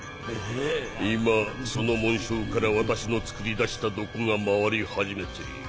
今その紋章から私の作り出した毒が回り始めている。